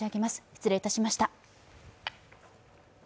失礼いたしました。